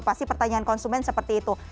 pasti pertanyaan konsumen seperti itu